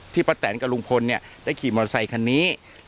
ป้าแตนกับลุงพลเนี่ยได้ขี่มอเตอร์ไซคันนี้